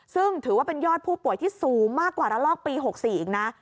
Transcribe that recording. ซึ่งถือว่าเป็นยอดผู้ป่วยที่สูงมากกว่าระลอกปี๖๔อีกนะ